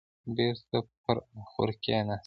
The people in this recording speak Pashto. بېرته پر اخور کيناست.